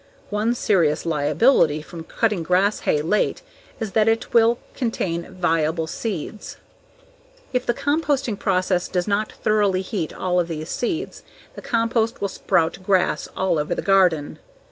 One serious liability from cutting grass hay late is that it will contain viable seeds. If the composting process does not thoroughly heat all of these seeds, the compost will sprout grass all over the garden.